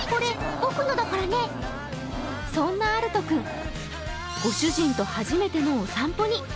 そんなあると君、ご主人と初めてのお散歩に。